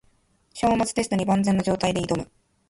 章末テストに万全の状態で挑む